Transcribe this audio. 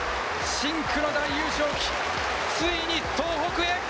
深紅の大優勝旗、ついに東北へ。